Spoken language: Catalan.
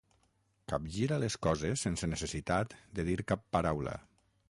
Capgira les coses sense necessitat de dir cap paraula.